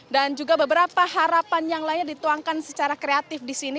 dan juga beberapa harapan yang lainnya dituangkan secara kreatif di sini